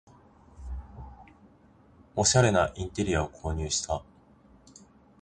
おしゃれなインテリアを購入した